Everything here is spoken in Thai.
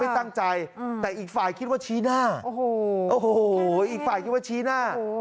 ตั้งใจแต่อีกฝ่ายคิดว่าชี้หน้าโอ้โหโอ้โหอีกฝ่ายคิดว่าชี้หน้า